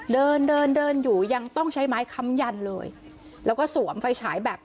เดินเดินเดินเดินอยู่ยังต้องใช้ไม้ค้ำยันเลยแล้วก็สวมไฟฉายแบบ